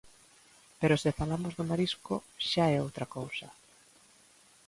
Pero se falamos do marisco xa é outra cousa.